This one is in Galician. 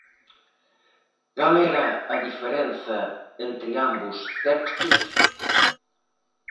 Cal era a diferenza entre ambos textos?